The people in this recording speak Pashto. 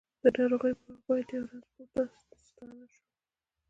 د ناروغۍ پر وخت باید یؤ رنځ پوه ته ستانه شوو!